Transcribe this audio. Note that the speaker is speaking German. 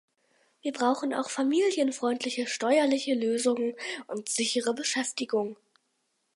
Wir brauchen auch familienfreundliche steuerliche Lösungen und sichere Beschäftigung.